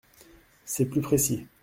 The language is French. C’est plus précis.